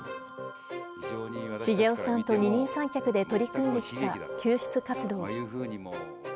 繁雄さんと二人三脚で取り組んできた救出活動。